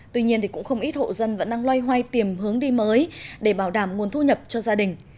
tuy nhiên cũng không ít hộ dân vẫn đang loay hoay tìm hướng đi mới để bảo đảm nguồn thu nhập cho gia đình